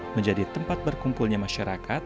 menjadi tempat berkumpulnya masyarakat